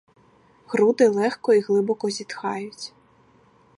Груди легко й глибоко зітхають.